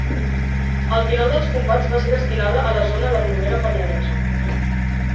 Al final dels combats va ser destinada a la zona del Noguera Pallaresa.